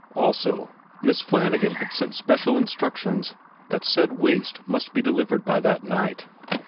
Also, Miss Flanagan had sent special instruction that said waist must be delivered by that night.